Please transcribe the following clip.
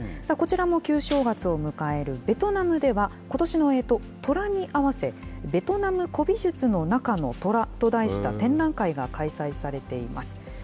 こちらも旧正月を迎えるベトナムでは、ことしのえと、とらに合わせ、ベトナム古美術の中のトラと題した展覧会が開催されています。